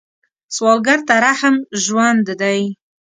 سوالګر ته رحم ژوند دی